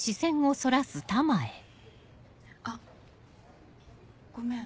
あっごめん。